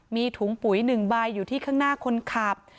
มีถุงปุ๋ย๑ใบอยู่ที่ข้างหน้าคนขับ